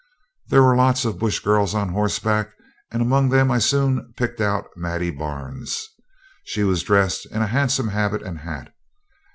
There were lots of the bush girls on horseback, and among them I soon picked out Maddie Barnes. She was dressed in a handsome habit and hat.